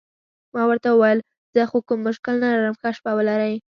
ما ورته وویل: زه خو کوم مشکل نه لرم، ښه شپه ولرئ.